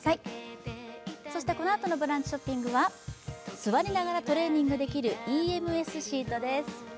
このあとの「ブランチショッピング」は、座りながらトレーニングできるＥＭＳシートです。